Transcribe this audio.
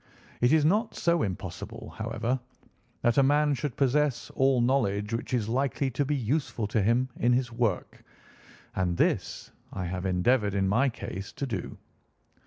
It is not so impossible, however, that a man should possess all knowledge which is likely to be useful to him in his work, and this I have endeavoured in my case to do.